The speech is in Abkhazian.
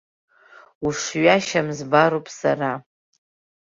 Ушҩашьам збароуп сара.